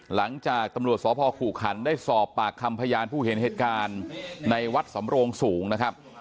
หลังจากตำรวจสพขู่ขันได้สอบปากคำพยานผู้เห็นเหตุการณ์ในวัดสำโรงสูงนะครับ